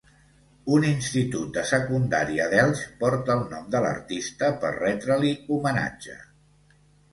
Un Institut de Secundària d'Elx porta el nom de l'artista per retre-li homenatge.